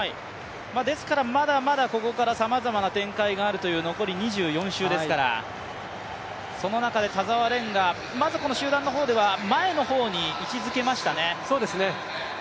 ですからまだまだここからさまざまな展開があるという残り２４周ですから、その中で田澤廉が、まず集団の方では前の方に位置づけましたね。